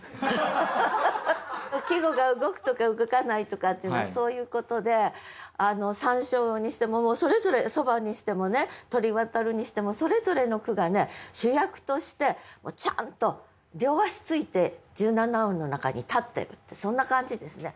季語が動くとか動かないとかっていうのはそういうことで「山椒魚」にしてもそれぞれ「蕎麦」にしてもね「鳥渡る」にしてもそれぞれの句が主役としてちゃんと両足ついて十七音の中に立ってるってそんな感じですね。